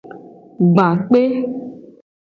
Gba kpe.